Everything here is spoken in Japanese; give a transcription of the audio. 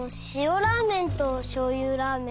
ラーメンとしょうゆラーメン